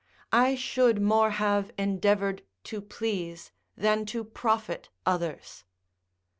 I should more have endeavoured to please than to profit others.